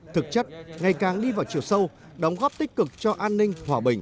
thực chất ngày càng đi vào chiều sâu đóng góp tích cực cho an ninh hòa bình